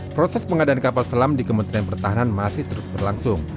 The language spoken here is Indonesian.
proses pengadaan kapal selam di kementerian pertahanan masih terus berlangsung